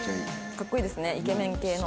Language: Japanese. かっこいいですねイケメン系の。